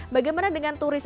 bagaimana dengan turis